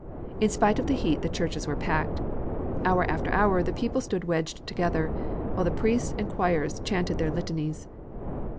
In spite of the heat the churches were packed. Hour after hour the people stood wedged together, while the priests and choirs chanted their litanies.